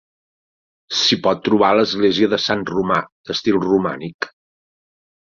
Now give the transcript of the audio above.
S'hi pot trobar l'església de Sant Romà d'estil romànic.